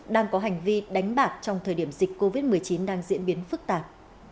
đang có hành vi đánh bạc trong thời điểm dịch covid một mươi chín đang diễn biến phức tạp